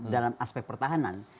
dalam aspek pertahanan